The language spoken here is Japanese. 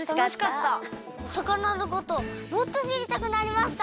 お魚のことをもっとしりたくなりました。